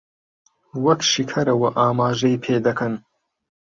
وەک شیکەرەوە ئاماژەی پێ دەکەن